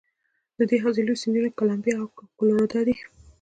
د دې حوزې لوی سیندونه کلمبیا او کلورادو دي.